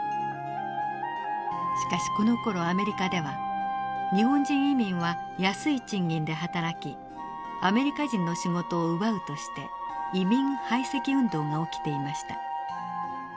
しかしこのころアメリカでは日本人移民は安い賃金で働きアメリカ人の仕事を奪うとして移民排斥運動が起きていました。